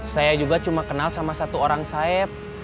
saya juga cuma kenal sama satu orang saib